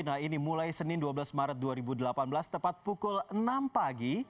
nah ini mulai senin dua belas maret dua ribu delapan belas tepat pukul enam pagi